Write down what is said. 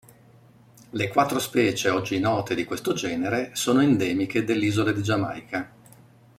Le quattro specie oggi note di questo genere sono endemiche dell'isola di Giamaica.